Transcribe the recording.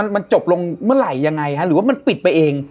มันจบลงเมื่อไหร่ยังไงหรือว่ามันปิดไปเอง